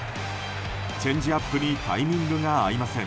チェンジアップにタイミングが合いません。